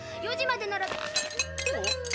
４時までなら。